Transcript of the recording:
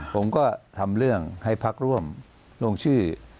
ผมก็ทำเรื่องให้พักร่วมลงชื่อ